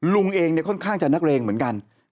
ลุงเองเนี่ยค่อนข้างจะนักเรงเหมือนกัน